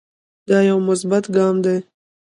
دا يو مثبت ګام دے